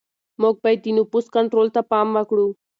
موږ باید د نفوس کنټرول ته پام وکړو.